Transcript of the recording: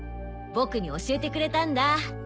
僕に教えてくれたんだ。